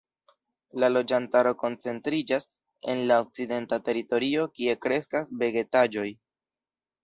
La loĝantaro koncentriĝas en la okcidenta teritorio kie kreskas vegetaĵoj.